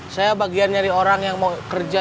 saya bagian dari orang yang mau kerja